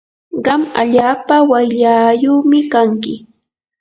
qam allaapa wayllaayumi kanki.